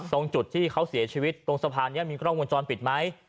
ตรงจุดที่เขาเสียชีวิตตรงสะพานนี้มีกล้องวงจรปิดไหม